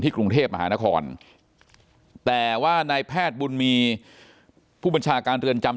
กรุงเทพมหานครแต่ว่านายแพทย์บุญมีผู้บัญชาการเรือนจำ